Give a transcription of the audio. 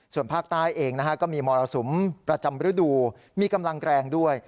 ส่วนภาคใต้เองก็มีมรสุมประจำฤดูมีกำลังแรงด้วย